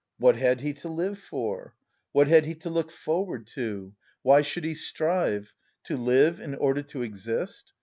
What had he to live for? What had he to look forward to? Why should he strive? To live in order to exist?